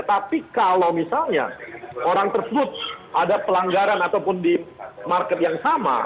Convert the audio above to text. tapi kalau misalnya orang tersebut ada pelanggaran ataupun di market yang sama